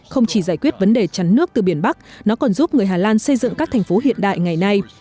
không chỉ giải quyết vấn đề chắn nước từ biển bắc nó còn giúp người hà lan xây dựng các thành phố hiện đại ngày nay